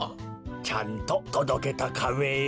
ちゃんととどけたカメよ。